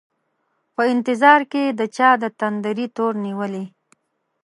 په انتظار کي د چا دتندري تور نیولي